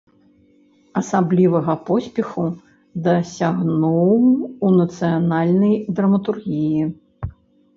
Асаблівага поспеху дасягнуў у нацыянальнай драматургіі.